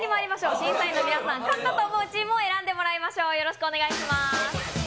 審査員の皆さん、勝ったと思うチームを選んでもらいましょう。